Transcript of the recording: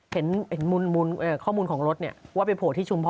เห็นข้อมูลของรถเนี่ยว่าไปโผล่ที่ชุมพร